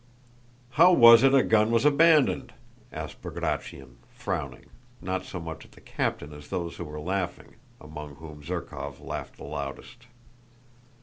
"How was it a gun was abandoned?" asked Bagratión, frowning, not so much at the captain as at those who were laughing, among whom Zherkóv laughed loudest.